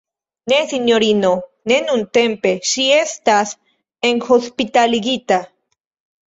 Ne sinjorino, ne nuntempe, ŝi estas enhospitaligita.